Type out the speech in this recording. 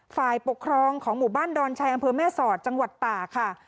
ฝ่ายปกครองของหมู่บ้านดอนชัยอำเภอแม่สอดจังหวัดตากค่ะ